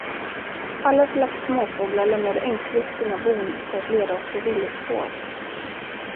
Alla slags småfåglar lämnade ängsligt sina bon för att leda oss på villospår.